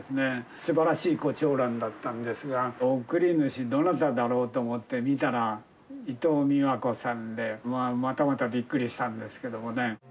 すばらしいコチョウランだったんですが、送り主、どなただろうと思って見たら、伊藤三和子さんで、またまたびっくりしたんですけどね。